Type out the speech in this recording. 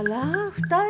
２人？